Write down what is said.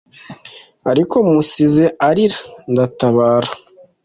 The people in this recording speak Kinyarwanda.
ariko musize arira ndatabara"